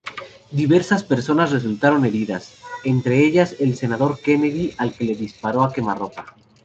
Diversas personas resultaron heridas, entre ellas el senador Kennedy al que disparó a quemarropa.